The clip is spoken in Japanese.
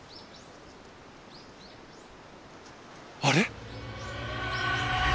あれ？